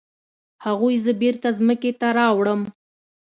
هغوی زه بیرته ځمکې ته راوړم.